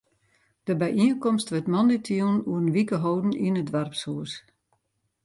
De byienkomst wurdt moandeitejûn oer in wike holden yn it doarpshûs.